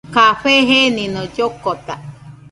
Café jenino llokota